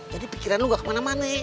jadi pikiran lo gak kemana mana be